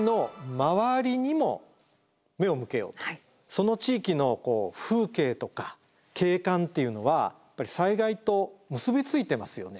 その地域の風景とか景観っていうのはやっぱり災害と結び付いてますよね。